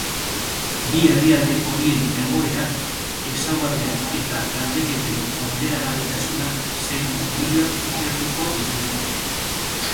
Bi herrialde horien egoera, ezaugarriak eta galdeketen bideragarritasuna zein ondorioak ikertuko dituzte.